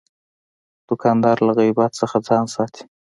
دوکاندار له غیبت نه ځان ساتي.